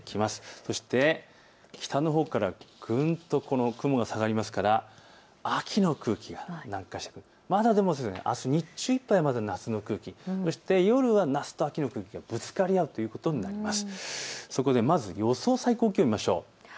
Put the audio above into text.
そして北のほうからぐんと雲が下がりますから秋の空気が南下してでもまだ日中いっぱいは夏の空気、夜は夏と秋の空気がぶつかり合うということになります。